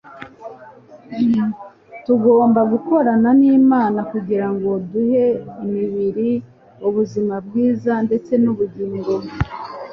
Tugomba gukorana n'Imana kugira ngo duhe imibiri ubuzima bwiza ndetse n'ubugingo.